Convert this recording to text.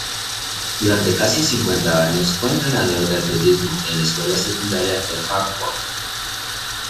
Durante casi cincuenta años fue entrenador de atletismo en la Escuela Secundaria de Hartford.